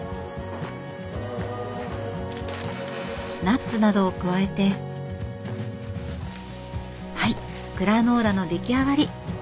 ナッツなどを加えてはいグラノーラの出来上がり。